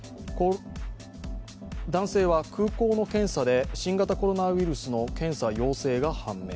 男性は空港の検査で新型コロナウイルスの検査陽性が判明。